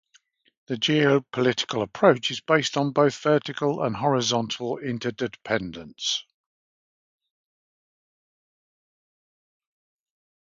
The geopolitical approach is based on both vertical and horizontal interdependence.